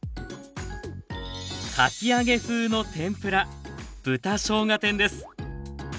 かき揚げ風の天ぷら豚しょうが天です。